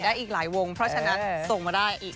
อีกหลายวงเพราะฉะนั้นส่งมาได้อีก